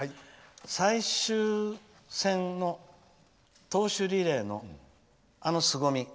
最終戦の投手リレーのあのすごみ。